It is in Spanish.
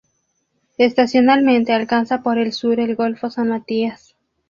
Estacionalmente alcanza por el sur el golfo San Matías.